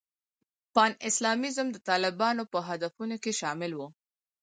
پان اسلامیزم د طالبانو په هدفونو کې شامل و.